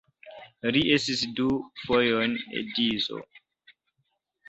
Li estis du fojojn edzo.